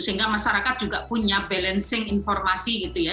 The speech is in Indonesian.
sehingga masyarakat juga punya balancing informasi gitu ya